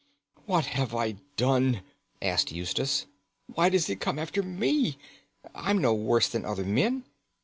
"What have I done?" asked Eustace. "Why does it come after me? I'm no worse than other men.